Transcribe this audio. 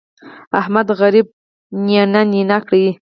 احمد غريب يې نينه نينه کړ.